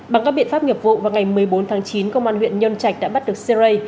bằng các biện pháp nghiệp vụ vào ngày một mươi bốn tháng chín công an huyện nhân trạch đã bắt được sê rây